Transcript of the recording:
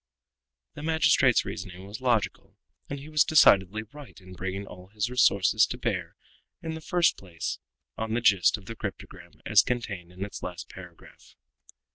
The magistrate's reasoning was logical, and he was decidedly right in bringing all his resources to bear in the first place on the gist of the cryptogram as contained in its last paragraph.